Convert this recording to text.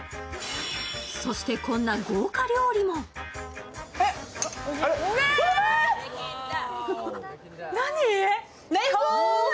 そして、こんな豪華料理も。何！？